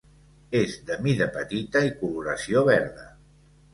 És de mida petita i coloració verda.